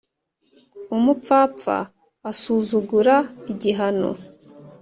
Umupfapfa asuzugura igihano